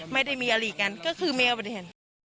ไม่ได้มีอาหรี่กันก็คือไม่เอาไปด้วย